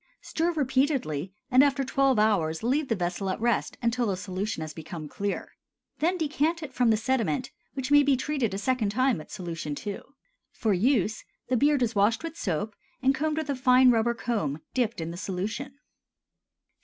Stir repeatedly, and after twelve hours leave the vessel at rest until the solution has become clear. Then decant it from the sediment, which may be treated a second time with solution II. For use, the beard is washed with soap, and combed with a fine rubber comb dipped in the solution.